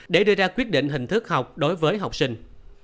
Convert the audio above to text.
để đưa ra quyết định hình thức học đối với học sinh